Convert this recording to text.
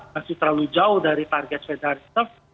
masih terlalu jauh dari target fed arisof